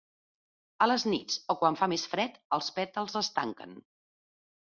A les nits o quan fa més fred, els pètals es tanquen.